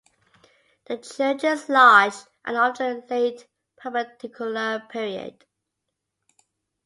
The church is large and of the late Perpendicular period.